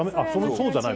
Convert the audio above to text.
そうじゃない。